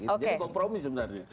jadi kompromi sebenarnya